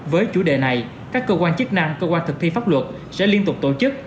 với chủ đề này các cơ quan chức năng cơ quan thực thi pháp luật sẽ liên tục tổ chức